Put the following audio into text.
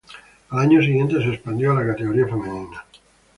Al año siguiente, se expandió a la categoría femenina.